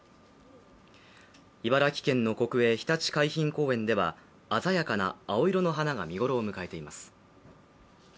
茨城県の国営ひたち海浜公園では鮮やかな青色の花が見頃を迎えています。